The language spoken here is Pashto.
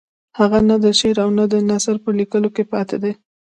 هغه نه د شعر او نه د نثر په لیکلو کې پاتې دی.